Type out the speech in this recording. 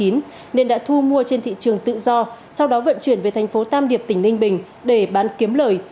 nên đã thu mua trên thị trường tự do sau đó vận chuyển về thành phố tam điệp tỉnh ninh bình để bán kiếm lời